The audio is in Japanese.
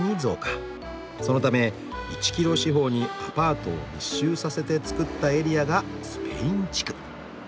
そのため１キロ四方にアパートを密集させて造ったエリアがスペイン地区」。